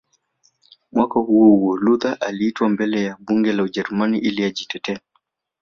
Mwaka huohuo Luther aliitwa mbele ya Bunge la Ujerumani ili ajitetee